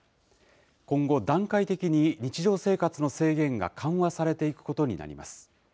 今後、段階的に日常生活の制限が緩和されていくことになります。